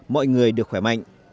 mọi người được khỏe mạnh